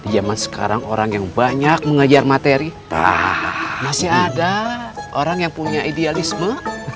zaman sekarang orang yang banyak mengajar materi masih ada orang yang punya idealisme